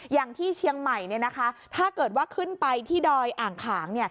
อย่างที่เชียงใหม่ถ้าเกิดว่าขึ้นไปที่ดอยอ่างขาง